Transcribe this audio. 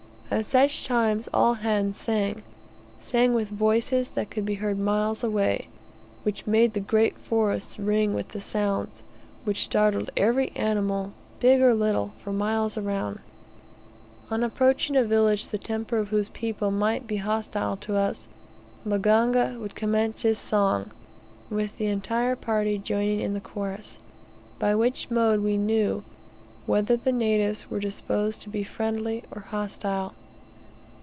At such times all hands sang, sang with voices that could be heard miles away, which made the great forests ring with the sounds, which startled every animal big or little, for miles around. On approaching a village the temper of whose people might be hostile to us, Maganga would commence his song, with the entire party joining in the chorus, by which mode we knew whether the natives were disposed to be friendly or hostile.